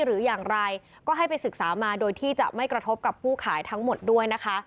หรืออย่างไรก็ให้ไปศึกษามาโดยที่จะไม่กระทบกับผู้ขายทั้งหมดด้วยนะคะ